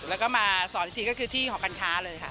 แล้วก็มาสอนอีกทีก็คือที่หอการค้าเลยค่ะ